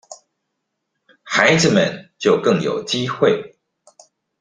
孩子們就更有機會